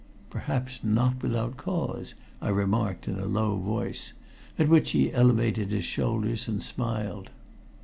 "Perhaps not without cause," I remarked in a low voice, at which he elevated his shoulders and smiled.